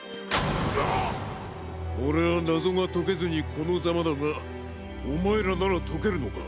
オレはなぞがとけずにこのざまだがおまえらならとけるのか？